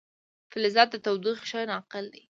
فلزات د تودوخې ښه ناقل دي.